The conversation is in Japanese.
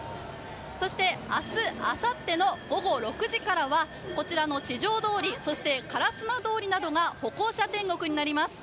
そして明日あさっての午後６時からはこちらの四条通り、そして烏丸通りなどが歩行者天国になります。